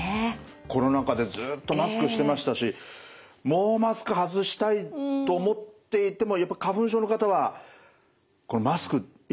コロナ禍でずっとマスクしてましたしもうマスク外したいと思っていてもやっぱり花粉症の方はマスクやっぱり大事ですか。